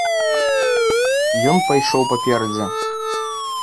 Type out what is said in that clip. І ён пайшоў паперадзе.